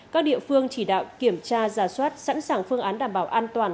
các địa phương chỉ đạo kiểm tra giả soát sẵn sàng phương án đảm bảo an toàn